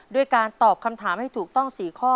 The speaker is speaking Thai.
ด้วยการตอบคำถามให้ถูกต้อง๔ข้อ